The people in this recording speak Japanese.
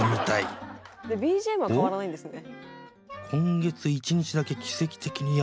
「ＢＧＭは変わらないんですね」